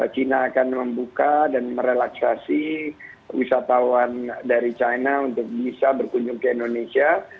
china akan membuka dan merelaksasi wisatawan dari china untuk bisa berkunjung ke indonesia